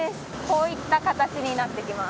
こういった形になってきます。